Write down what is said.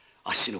あっ！